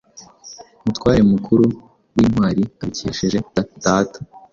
Umutware mukuru wintwariabikesheje data